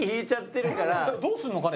どうするのかね。